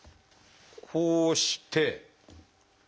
こうして。